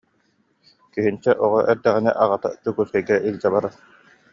Киһинчэ оҕо эрдэҕинэ аҕата Дьокуускайга илдьэ барар